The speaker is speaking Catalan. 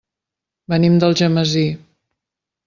Venim d'Algemesí.